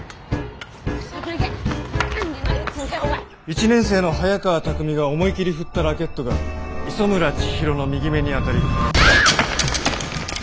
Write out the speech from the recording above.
１年生の早川拓海が思い切り振ったラケットが磯村千尋の右目に当たり病院に緊急搬送。